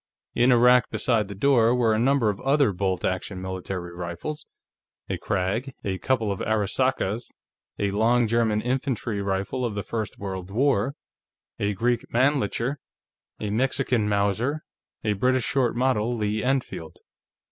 In a rack beside the door were a number of other bolt action military rifles a Krag, a couple of Arisakas, a long German infantry rifle of the first World War, a Greek Mannlicher, a Mexican Mauser, a British short model Lee Enfield.